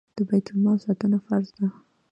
د بیت المال ساتنه فرض ده